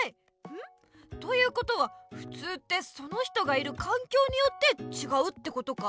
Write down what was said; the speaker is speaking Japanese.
ん？ということはふつうってその人がいるかんきょうによってちがうってことか。